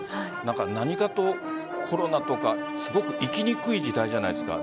何かとコロナとかすごく生きにくい時代じゃないですか。